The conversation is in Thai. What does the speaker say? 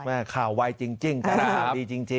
แม่ข่าวไวจริงครับดีจริง